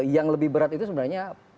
yang lebih berat itu sebenarnya